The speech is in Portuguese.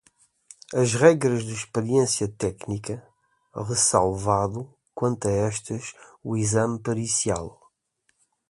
as regras de experiência técnica, ressalvado, quanto a estas, o exame pericial